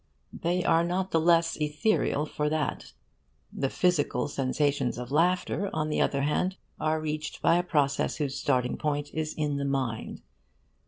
They are not the less ethereal for that. The physical sensations of laughter, on the other hand, are reached by a process whose starting point is in the mind.